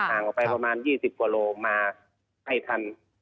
ห่างออกไปประมาณ๒๐กว่าโลมาให้ทัน